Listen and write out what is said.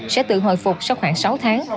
sẽ tự hồi phục sau khoảng sáu tháng